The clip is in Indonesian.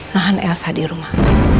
nahan elsa di rumah